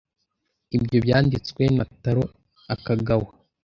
Ibyo byanditswe na Taro Akagawa.